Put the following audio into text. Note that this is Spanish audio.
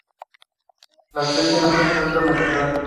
La especie no se encuentra amenazada.